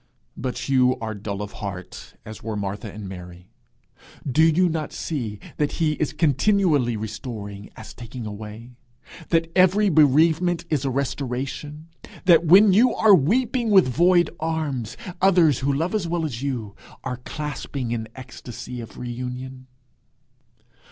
But you are dull of heart, as were Martha and Mary. Do you not see that he is as continually restoring as taking away that every bereavement is a restoration that when you are weeping with void arms, others, who love as well as you, are clasping in ecstasy of reunion?'